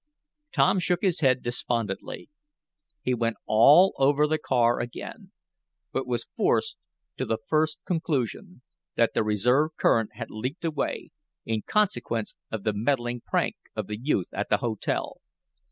Tom shook his head despondently. He went all over the car again, but was forced to the first conclusion, that the reserve current had leaked away, in consequence of the meddling prank of the youth at the hotel.